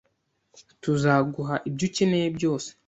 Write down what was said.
Tuzaguha ibyo ukeneye byose.